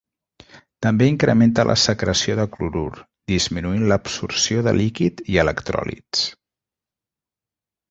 També incrementa la secreció de clorur, disminuint l'absorció de líquid i electròlits.